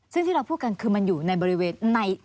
ซึ่งที่เราพูดกันคือมันอยู่ในบริเวณใน